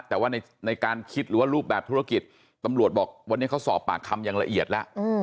แต่ว่าในการคิดหรือว่ารูปแบบธุรกิจตำรวจบอกวันนี้เขาสอบปากคำอย่างละเอียดแล้ว